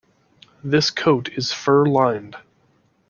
This coat is fur-lined.